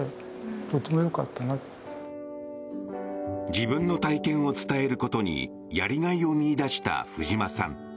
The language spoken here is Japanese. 自分の体験を伝えることにやりがいを見いだした藤間さん。